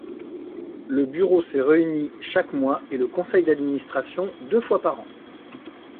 Le bureau se réunit chaque mois et le Conseil d'Administration deux fois par an.